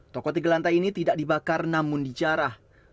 toko tiga lantai ini tidak dibakar namun dijarah